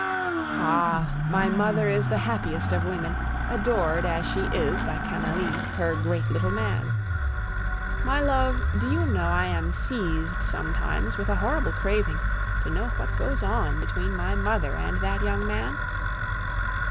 Ah! my mother is the happiest of women, adored as she is by Canalis, her great little man. My love, do you know I am seized sometimes with a horrible craving to know what goes on between my mother and that young man?